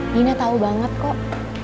dina tahu banget kok